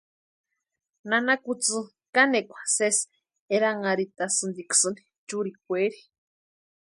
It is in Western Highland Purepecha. Nana kutsï kanekwa sésï eranharhitasïntiksïni churekweeri.